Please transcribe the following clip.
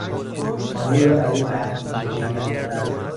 خانهای را برای برق سیمکشی کردن